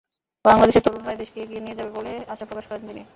বাংলাদেশের তরুণরাই দেশকে এগিয়ে নিয়ে যাবে বলে আশা প্রকাশ করেন তিনি।